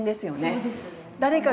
そうですね。